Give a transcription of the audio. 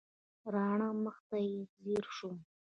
راڼه مخ ته یې ځېر شوم.